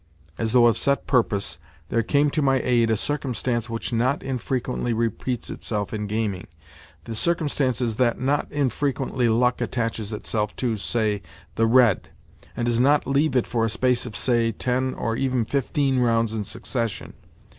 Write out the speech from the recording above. As though of set purpose, there came to my aid a circumstance which not infrequently repeats itself in gaming. The circumstance is that not infrequently luck attaches itself to, say, the red, and does not leave it for a space of say, ten, or even fifteen, rounds in succession.